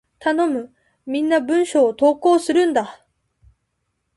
頼む！みんな文章を投稿するんだ！